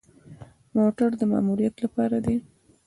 موټر د ماموریت لپاره دی